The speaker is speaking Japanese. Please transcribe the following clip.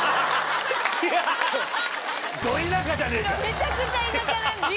めちゃくちゃ田舎なんですよ。